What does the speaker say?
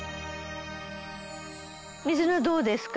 水菜どうですか？